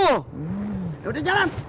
udah udah jalan